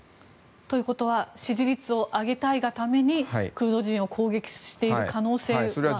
ということは支持率を上げたいがためにクルド人を攻撃している可能性は。